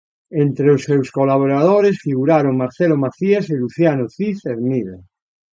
Entre os seus colaboradores figuraron Marcelo Macías e Luciano Cid Hermida.